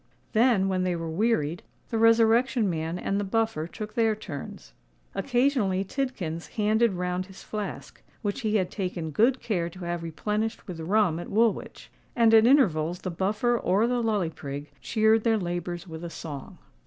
Then, when they were wearied, the Resurrection Man and the Buffer took their turns. Occasionally Tidkins handed round his flask, which he had taken good care to have replenished with rum at Woolwich; and at intervals the Buffer or the Lully Prig cheered their labours with a song.